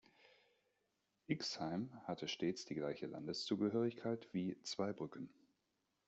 Ixheim hatte stets die gleiche Landeszugehörigkeit wie Zweibrücken.